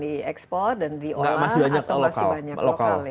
di ekspor dan di or atau masih banyak lokal